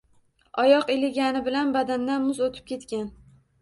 Oyoq iligani bilan badandan muz o‘tib ketgan.